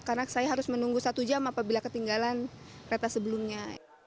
karena saya harus menunggu satu jam apabila ketinggalan kereta sebelumnya